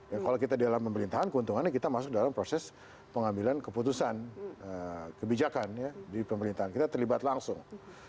ya kalau kita di dalam pemerintahan keuntungannya kita masuk dalam proses pengambilan keputusan kebijakan ya di pemerintahan kita terlibat langsung